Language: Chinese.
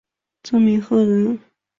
张鹤鸣人。